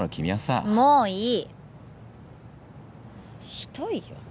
ひどいよ